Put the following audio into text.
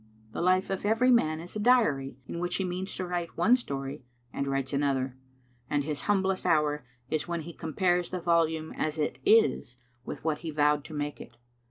The life of every man is a diary in which he means to write one story, and writes another; and his humblest hour is when he compares the volume as it is with what he vowed to make it.